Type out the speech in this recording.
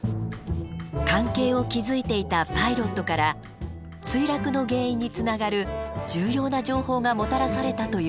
関係を築いていたパイロットから墜落の原因につながる重要な情報がもたらされたというのです。